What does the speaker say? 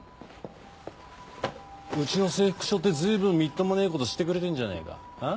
うちの制服背負って随分みっともねえことしてくれてんじゃねえかあぁ？